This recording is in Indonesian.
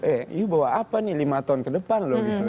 eh you bawa apa nih lima tahun ke depan loh gitu